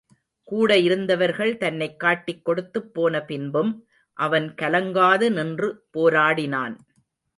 கூட இருந்தவர்கள் தன்னைக் காட்டிக் கொடுத்துப்போன பின்பும் அவன் கலங்காது நின்று போராடினான்.